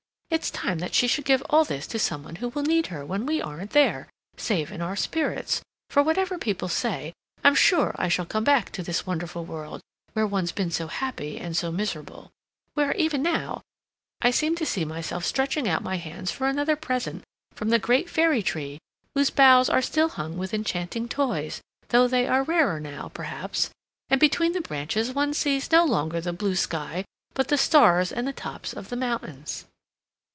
It's time that she should give all this to some one who will need her when we aren't there, save in our spirits, for whatever people say, I'm sure I shall come back to this wonderful world where one's been so happy and so miserable, where, even now, I seem to see myself stretching out my hands for another present from the great Fairy Tree whose boughs are still hung with enchanting toys, though they are rarer now, perhaps, and between the branches one sees no longer the blue sky, but the stars and the tops of the mountains.